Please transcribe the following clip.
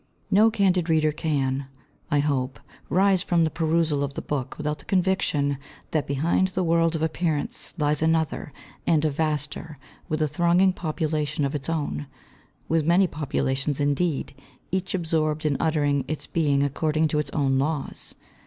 No candid reader can, I hope, rise from the perusal of the book without the conviction that behind the world of appearance lies another and a vaster with a thronging population of its own with many populations, indeed, each absorbed in uttering its being according to its own laws.